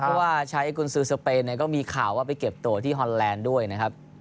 เพราะว่าใช้กุญสือสเปนเนี่ยก็มีข่าวว่าไปเก็บตัวที่ฮอนแลนด์ด้วยนะครับ